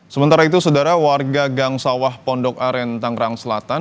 sementara itu saudara warga gang sawah pondok aren tangerang selatan